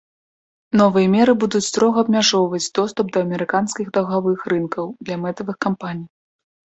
Новыя меры будуць строга абмяжоўваць доступ да амерыканскіх даўгавых рынкаў для мэтавых кампаній.